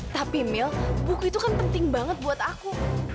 tapi mil buku itu kan penting banget buat aku